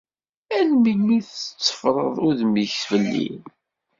Ar melmi ara tetteffreḍ udem-ik fell-i?